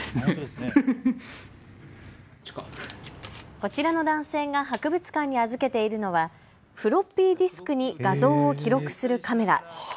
こちらの男性が博物館に預けているのはフロッピーディスクに画像を記録するカメラ。